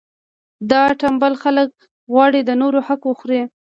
دا ټنبل خلک غواړي د نورو حق وخوري.